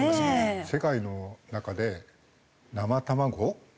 世界の中で生卵ポコ